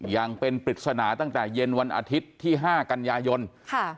ยังเป็นปริศนาตั้งแต่เย็นวันอาทิตย์ที่ห้ากันยายนค่ะ